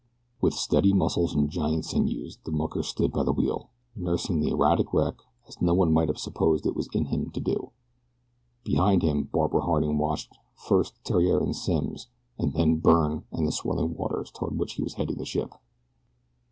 With steady muscles and giant sinews the mucker stood by the wheel nursing the erratic wreck as no one might have supposed it was in him to do. Behind him Barbara Harding watched first Theriere and Simms, and then Byrne and the swirling waters toward which he was heading the ship.